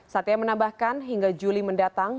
satya menambahkan hingga juli mendatang